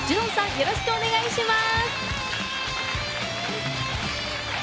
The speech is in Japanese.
よろしくお願いします。